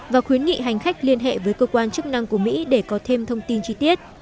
và khuyến nghị hành khách liên hệ với cơ quan chức năng của mỹ để có thêm thông tin chi tiết